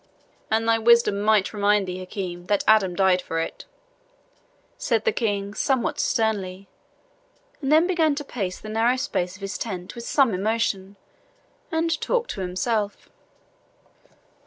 "And thy wisdom might remind thee, Hakim, that Adam died for it," said the King, somewhat sternly, and then began to pace the narrow space of his tent with some emotion, and to talk to himself.